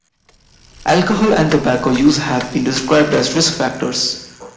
Alcohol and tobacco use have been described as risk factors.